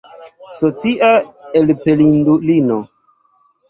Socia elpelindulino!